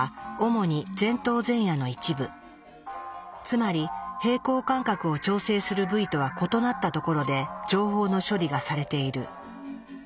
つまり平衡感覚を調整する部位とは異なったところで情報の処理がされている。